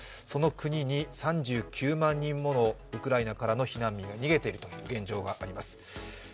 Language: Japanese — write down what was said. その国に３９万人ものウクライナからの避難民が逃げているという現状があります。